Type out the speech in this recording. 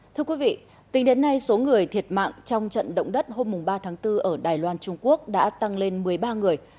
thưa quý vị tính đến nay số người thiệt mạng trong trận động đất hôm ba tháng bốn ở đài loan trung quốc đã tăng lên một mươi ba người